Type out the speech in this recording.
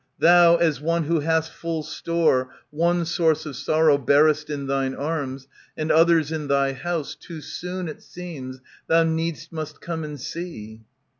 thou, as one who hast full store, One source of sorrow bearest in thine arms, And others in thy house, too soon, it seems, Thou need'st must come and see.